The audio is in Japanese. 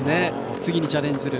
次にチャレンジする。